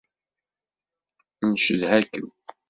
Ncedha-kem.